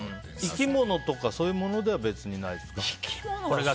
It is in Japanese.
生き物とかそういうものでは別にないですか。